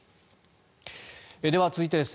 では、続いてです。